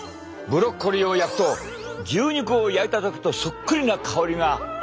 ブロッコリーを焼くと牛肉を焼いた時とそっくりな香りがあふれ出すのだ。